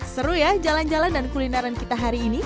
seru ya jalan jalan dan kulineran kita hari ini